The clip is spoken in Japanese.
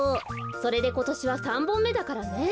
それでことしは３ぼんめだからね。